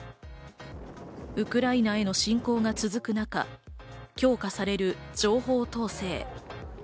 ウクライナへの侵攻が続く中、強化される情報統制。